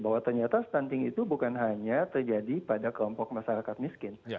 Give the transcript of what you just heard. bahwa ternyata stunting itu bukan hanya terjadi pada kelompok masyarakat miskin